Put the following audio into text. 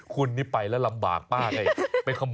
คุณนี่ไปแล้วลำบากป้าใก่